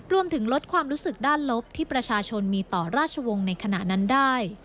รวมถึงลดความรู้สึกด้านลบที่ประชาชนมีต่อราชวงศ์ในขณะนั้นได้